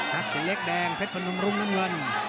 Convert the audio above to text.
ทักศิลป์เล็กแดงเพชรผนมรุมน้ำเงิน